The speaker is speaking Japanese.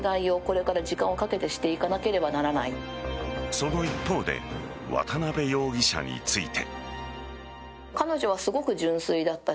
その一方で渡辺容疑者について。